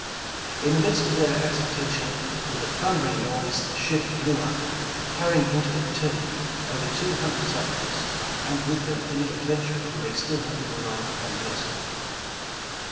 In the midst of their exultation, with a thundering noise the ship blew up, carrying into eternity, ovei* two hundred savages, and with them any 169 The Original John Jacob Astor adventurer who may still have been alive upon the vessel.